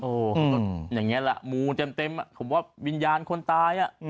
เขาก็อย่างนี้แหละมูเต็มผมว่าวิญญาณคนตาย